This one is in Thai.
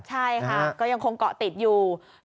ใช่ค่ะก็ยังคงเกาะติดอยู่